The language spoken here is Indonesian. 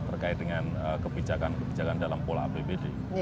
dan juga kebijakan dalam pola apbd